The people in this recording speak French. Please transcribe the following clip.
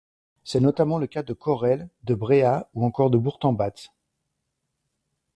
C'est notamment le cas de Caurel, de Bréhat ou encore du Bourg-de-Batz.